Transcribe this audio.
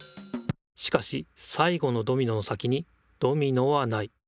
しかし最後のドミノの先にドミノはない。